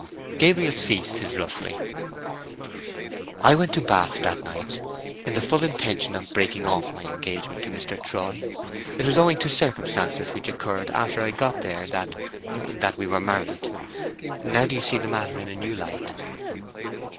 Gabriel ceased his rustling. "I went to Bath that night in the full intention of breaking off my engagement to Mr. Troy. It was owing to circumstances which occurred after I got there that—that we were married. Now, do you see the matter in a new light?"